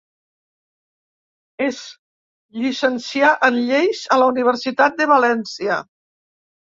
Es llicencià en lleis a la Universitat de València.